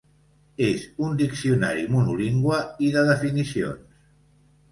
És un diccionari monolingüe i de definicions.